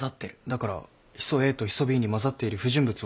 だからヒ素Ａとヒ素Ｂに混ざっている不純物を調べて。